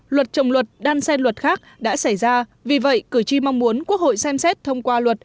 luật trồng luật đan xen luật khác đã xảy ra vì vậy cử tri mong muốn quốc hội xem xét thông qua luật